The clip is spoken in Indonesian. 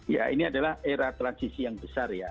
ya ini adalah era transisi yang besar ya